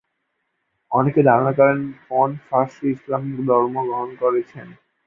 অনেকে ধারণা করে ফন পার্সি ইসলাম ধর্ম গ্রহণ করেছেন।